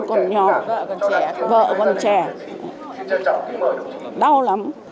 con nhỏ vợ con trẻ đau lắm